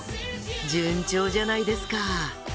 順調じゃないですか。